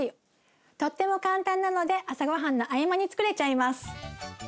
とっても簡単なので朝ごはんの合間につくれちゃいます。